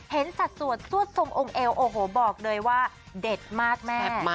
สัดสวดซวดทรงองค์เอวโอ้โหบอกเลยว่าเด็ดมากแม่